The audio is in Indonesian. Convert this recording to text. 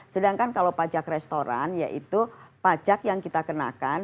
sedangkan kalau pajak restoran yaitu pajak yang kita kenakan